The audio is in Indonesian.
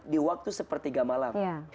di waktu sepertiga malam